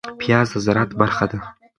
پياز د زراعت برخه ده